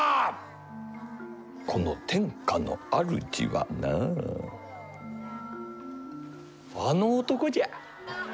この天下の主はなあの男じゃ。